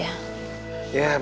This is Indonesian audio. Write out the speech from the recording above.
ya bagus deh kalo